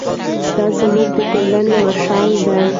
دی زموږ د ټولنې مشعل دی.